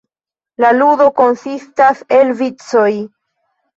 La ludo konsistas el vicoj.